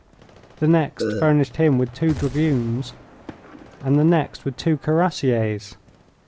The next furnished him with two Dragoons and the next with two Cuirassiers.